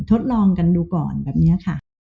ทดลองกันดูก่อนแบบนี้ค่ะ